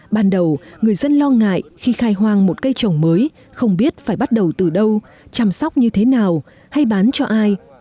ban đầu người dân lo ngại khi khai hoang một cây trồng mới không biết phải bắt đầu từ đâu chăm sóc như thế nào hay bán cho ai